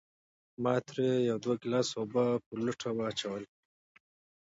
ما ترې يو دوه ګلاسه اوبۀ پۀ لوټه واچولې